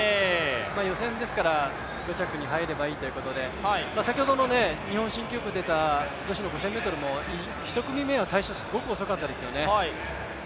予選ですから５着に入ればいいということで、先ほど日本新記録出た女子の５０００ｍは１組目も、最初すごく遅かったですよね。